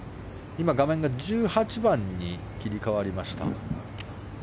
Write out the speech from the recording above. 画面が１８番に切り替わりました。